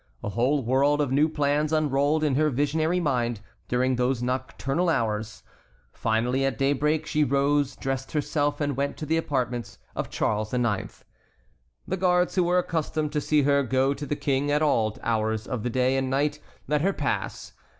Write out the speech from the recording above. A whole world of new plans unrolled in her visionary mind during those nocturnal hours. Finally at daybreak she rose, dressed herself, and went to the apartments of Charles IX. The guards, who were accustomed to see her go to the King at all hours of the day and night, let her pass.